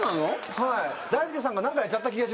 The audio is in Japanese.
はい。